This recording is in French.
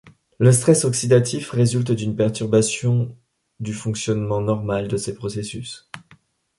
Le stress oxydatif résulte d'une perturbation du fonctionnement normal de ces processus.